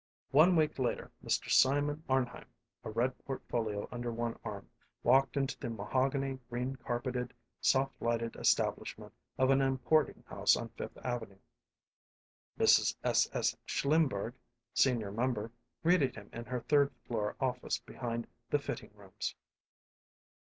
One week later Mr. Simon Arnheim, a red portfolio under one arm, walked into the mahogany, green carpeted, soft lighted establishment of an importing house on Fifth Avenue. Mrs. S.S. Schlimberg, senior member, greeted him in her third floor office behind the fitting rooms.